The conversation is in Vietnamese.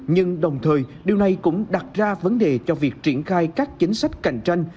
nhưng đồng thời điều này cũng đặt ra vấn đề cho việc triển khai các chính sách cạnh tranh